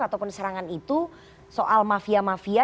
ataupun serangan itu soal mafia mafia